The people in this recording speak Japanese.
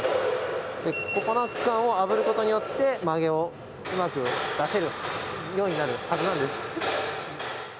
ここの区間をあぶることによって曲げをうまく出せるようになるはずなんです。